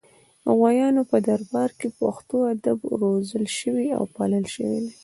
د غوریانو په دربار کې پښتو ادب روزل شوی او پالل شوی دی